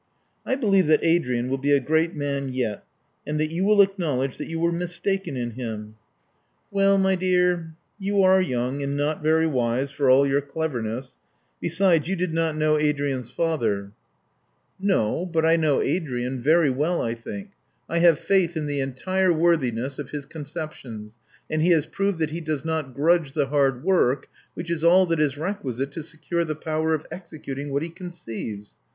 I believe that Adrian will be a great man yet, and that you will acknowledge that you were mistaken in him." Well, my dear, you are young, and not very wise, for all your cleverness. Besides, you did not know Adrian's father." Love Among the Artists 33 *'No; but I know Adrian — ^very well, I think. I have faith in the entire worthiness of his conceptions; and he has proved that he does not grudge the hard work which is all that is requisite to secure the power of executing what he conceives.